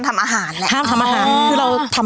ทำอาหารแหละห้ามทำอาหาร